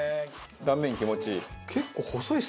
断面気持ちいい。